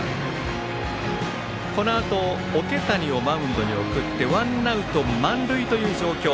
このあと、桶谷をマウンドに送ってワンアウト満塁という状況。